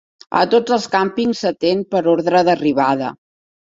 A tots els càmpings s"atén per ordre d"arribada.